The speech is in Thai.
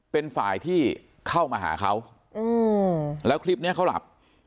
เป็นฝ่ายที่เข้ามาหาเขาแล้วคลิปนี้เขาหลับ